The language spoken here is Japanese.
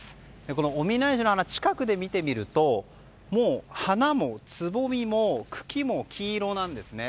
このオミナエシの花近くで見てみると花もつぼみも茎も黄色なんですね。